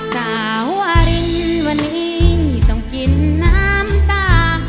สาววารินวันนี้ต้องกินน้ำตา